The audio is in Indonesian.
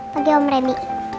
pagi om randi